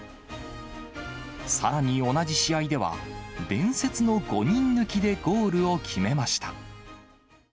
さらに同じ試合では、伝説の５人抜きでゴールを決めました。